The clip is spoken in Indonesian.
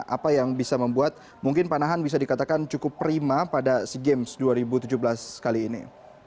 apa yang bisa membuat mungkin panahan bisa dikatakan cukup prima pada sea games dua ribu tujuh belas kali ini